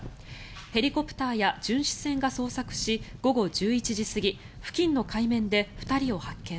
ヘリコプターや巡視船が捜索し午後１１時過ぎ付近の海面で２人を発見。